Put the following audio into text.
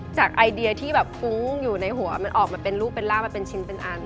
จากไอเดียที่อยู่ในหัวมันออกมาเป็นรูปเป็นร่างเป็นชิ้นเป็นอัน